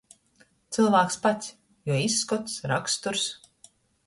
Cylvāks pats, juo izskots, raksturs.